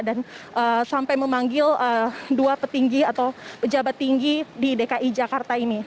dan sampai memanggil dua petinggi atau pejabat tinggi di dki jakarta ini